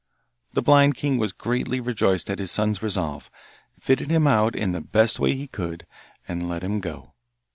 The blind king was greatly rejoiced at his son's resolve, fitted him out in the best way he could, and let him go.